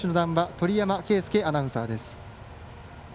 鳥山圭輔アナウンサーです。